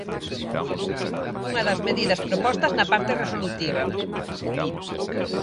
Unha das medidas propostas na parte resolutiva.